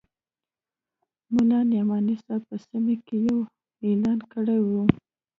ملا نعماني صاحب په سیمو کې یو اعلان کړی وو.